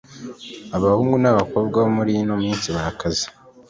Abahungu na bakobwa bo murino minsi barakaze